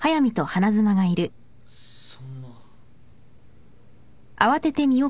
そんな。